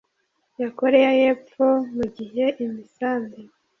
ya Koreya y’Epfo mu gihe imisambi